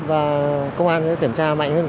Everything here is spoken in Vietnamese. và công an sẽ kiểm tra mạnh hơn